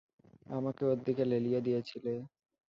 আমাকে ওর দিকে লেলিয়ে দিয়েছিলে।